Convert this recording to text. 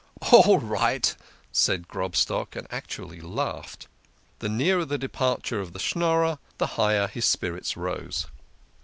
" All right," said Grobstock, and actually laughed. The nearer the departure of the Schnorrer, the higher his spirits rose.